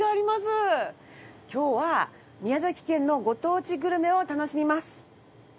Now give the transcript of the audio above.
今日は宮崎県のご当地グルメを楽しみます。